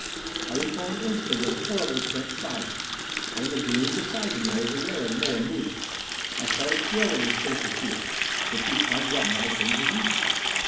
I recall an instant of horrible, tense silence, and in the gloom beside me I was aware of Moa moving. I felt a thrill of instinctive fear would she plunge that knife into me?